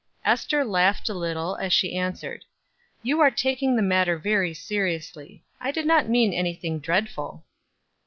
Ester laughed a little as she answered: "You are taking the matter very seriously. I did not mean any thing dreadful."